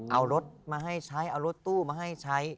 เอารถมาให้ใช้เอารถตู้มาให้ใช้